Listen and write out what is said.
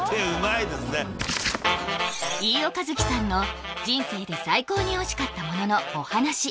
飯尾和樹さんの人生で最高においしかったもののお話